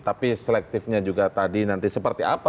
tapi selektifnya juga tadi nanti seperti apa